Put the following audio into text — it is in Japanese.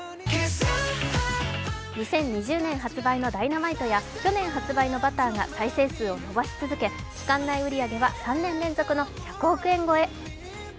２０２０年発売の「Ｄｙｎａｍｉｔｅ」や去年発売の「Ｂｕｔｔｅｒ」が再生数を伸ばし続け、期間内売り上げは３年連続の１００億円超え。